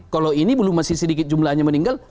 kalau ini belum masih sedikit jumlahnya meninggal